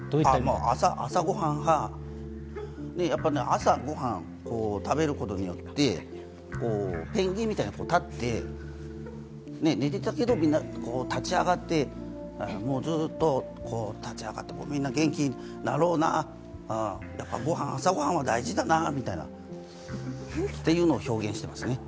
朝、ごはん食べることによってペンギンみたいに立って、寝てたけど、みんな立ち上がって、もうずっと立ち上がってみんな、元気になろうな、朝ごはんは大事だなぁみたいなっていうのを表現してますね。